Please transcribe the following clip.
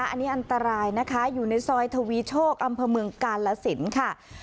อันนี้อันตรายนะคะอยู่ในซอยทวีโชคอำเภอเมืองกาลสินค่ะ